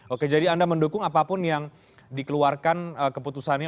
oke jadi anda mendukung apapun yang dikeluarkan keputusannya